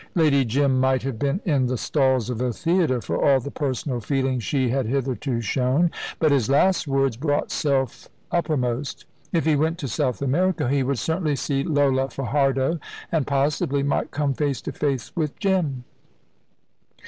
Lady Jim might have been in the stalls of a theatre for all the personal feeling she had hitherto shown. But his last words brought self uppermost. If he went to South America, he would certainly see Lola Fajardo, and, possibly, might come face to face with Jim.